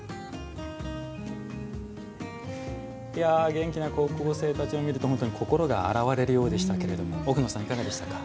元気な高校生たちを見ると本当に心が洗われるようでしたけれども奥野さん、いかがでしたか？